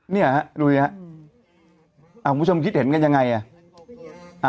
เนี่ยฮะดูสิฮะคุณผู้ชมคิดเห็นกันยังไงอ่ะ